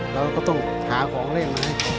เราก็ต้องหาของเล่นมาให้